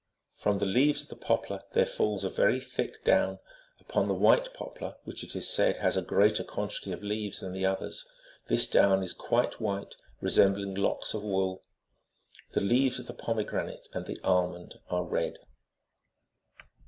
From the leaves of the poplar there falls a very thick down ;53 upon the white poplar, which, it is said, has a greater quantity of leaves than the others, this down is quite white, resembling locks of wool. The leaves of the pomegranate and the almond are red.